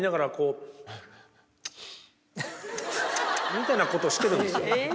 みたいなことをしてるんです。